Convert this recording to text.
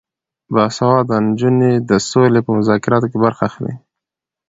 باسواده نجونې د سولې په مذاکراتو کې برخه اخلي.